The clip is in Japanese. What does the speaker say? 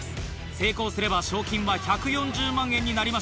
成功すれば賞金は１４０万円になりました。